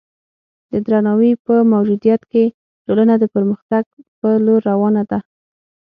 د درناوي په موجودیت کې ټولنه د پرمختګ په لور روانه ده.